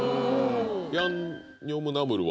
ヤンニョムナムルは？